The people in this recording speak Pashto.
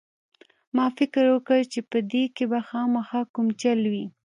ما فکر وکړ چې په دې کښې به خامخا کوم چل وي.